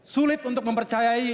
sulit untuk mempercayai